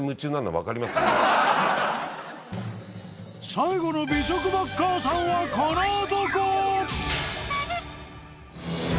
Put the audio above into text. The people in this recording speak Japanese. ［最後の美食バッカーさんはこの男！］